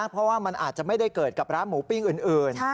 เพราะว่ามันอาจจะไม่ได้เกิดกับร้านหมูปิ้งอื่น